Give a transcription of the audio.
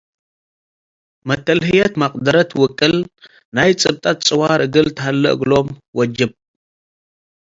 መተልህየት መቅደረት ውቅል ናይ ጽብጠት ጽዋር እግል ተሀሌ እግሎም ወጅብ ።